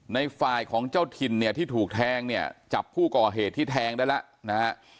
ในฝ่ายของเจ้าถิ่นเนี่ยที่ถูกแทงเนี่ยจับผู้ก่อเหตุที่แทงได้แล้วนะฮะ